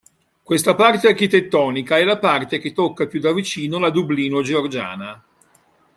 Questa parte architettonica è la parte che tocca più da vicino la Dublino georgiana.